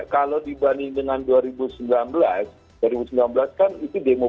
kalau dibanding dengan dua ribu sembilan belas